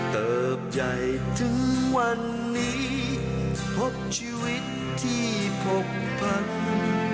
เติบใจถึงวันนี้พบชีวิตที่ผกพรรณ